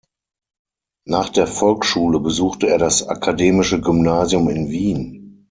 Nach der Volksschule besuchte er das Akademische Gymnasium in Wien.